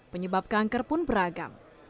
penyebab kanker pun beragam